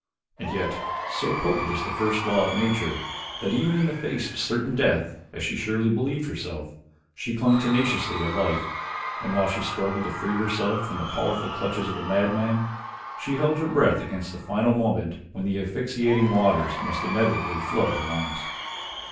And yet, so potent is the first law of nature that even in the face of certain death, as she surely believed herself, she clung tenaciously to life, and while she struggled to free herself from the powerful clutches of the madman, she held her breath against the final moment when the asphyxiating waters must inevitably flood her lungs.